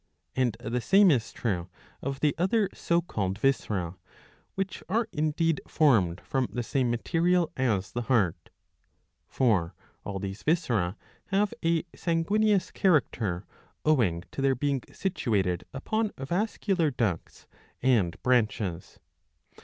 '^ And the same is true of the other so called viscera, which are indeed formed from the same material as the heart. For all these viscera have a sanguineous character owing to their being situated upon vascular ducts and branches.